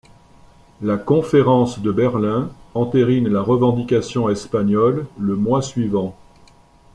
La conférence de Berlin entérine la revendication espagnole le mois suivant.